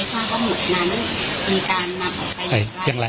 เพราะหมุดนั้นมีการนำออกไปและเบื้องหน้า